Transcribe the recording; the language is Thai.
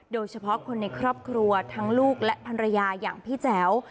โดยเฉพาะคนในครอบครัวทั้งลูกและภรรยาอย่างพี่แจ๋ว